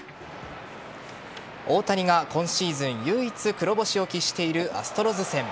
大谷が今シーズン唯一黒星を喫しているアストロズ戦。